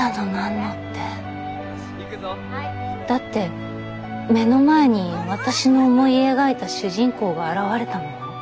だって目の前に私の思い描いた主人公が現れたのよ？